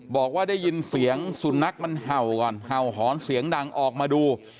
บอกว่าได้ยินเสียงสุนัขมันเห่าก่อนเห่าหอนเสียงดังออกมาดู